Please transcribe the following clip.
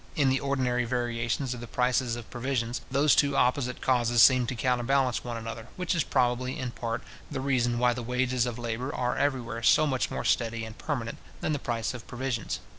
In the ordinary variations of the prices of provisions, those two opposite causes seem to counterbalance one another, which is probably, in part, the reason why the wages of labour are everywhere so much more steady and permanent than the price of provisions.